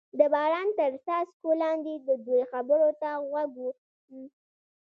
د باران تر څاڅکو لاندې د دوی خبرو ته غوږ ووم.